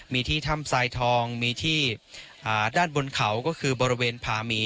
มีที่ถ้ำทรายทองมีที่ด้านบนเขาก็คือบริเวณพามี